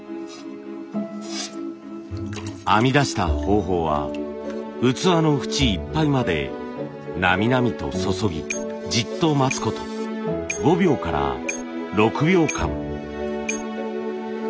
編み出した方法は器のフチいっぱいまでなみなみと注ぎじっと待つこと５秒から６秒間。